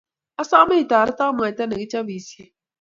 Asome itoreto mwaita ne kichopisie